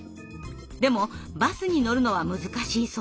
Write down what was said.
でもバスに乗るのは難しいそうです。